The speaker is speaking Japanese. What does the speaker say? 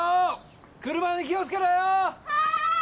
車に気をつけろよ！